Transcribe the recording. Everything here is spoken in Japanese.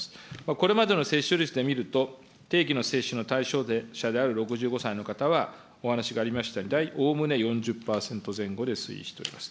これまでの接種率で見ると、定期の接種の対象者である６５歳の方は、お話がありましたように、おおむね４０％前後で推移しております。